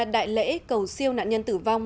đại lễ cầu siêu nạn nhân tử vong